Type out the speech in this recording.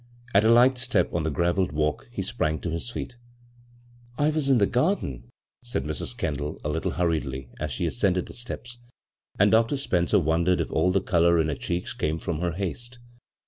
At a light step on the graveled walk he sprang to his feet " I was in the garden," said Mrs. Kendall, a little hurrje^Jy, as she ascended the steps ; and Dr. Spencer wondered if all the color in her cheeks came from her haste.